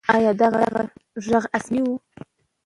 آیا د هغې ږغ آسماني و؟